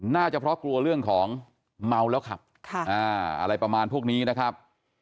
น่าจะเพราะกลัวเรื่องของเมาแล้วขับอะไรประมาณพวกนี้นะครับ